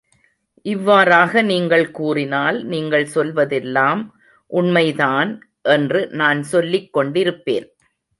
இவ்வாறாக நீங்கள் கூறினால் நீங்கள் சொல்வதெல்லாம் உண்மைதான் என்று நான் சொல்லிக் கொண்டிருப்பேன்.